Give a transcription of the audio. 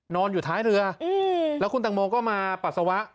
อยู่ท้ายเรือแล้วคุณตังโมก็มาปัสสาวะ